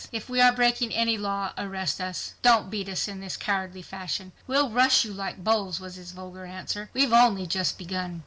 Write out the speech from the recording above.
"If we are breaking any law, arrest us! Don't beat us in this cowardly fashion!" "We'll rush you like bulls," was his vulgar answer, "we've only just begun."